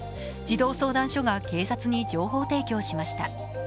児童相談所が警察に情報提供しました。